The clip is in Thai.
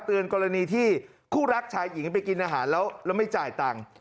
กรณีที่คู่รักชายหญิงไปกินอาหารแล้วแล้วไม่จ่ายตังค์